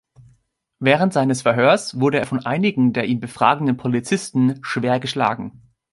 Während seines Verhörs wurde er von einigen der ihn befragenden Polizisten schwer geschlagen.